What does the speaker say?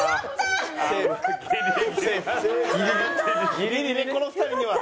ギリギリこの２人には。